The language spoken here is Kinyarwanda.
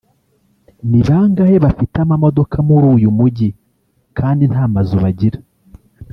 “Ni bangahe bafite amamodoka muri uyu Mujyi kandi nta mazu bagira